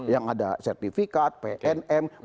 yang ada sertifikat pnm